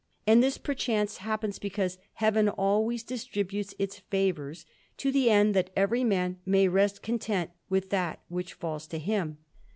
And this, perchance, happens because Heaven always distributes its favours, to the end that every man may rest content with that which falls to him.